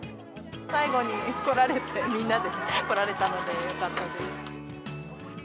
最後に来られて、みんなで来られたのでよかったです。